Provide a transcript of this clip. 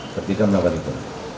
berdiga melakukan itu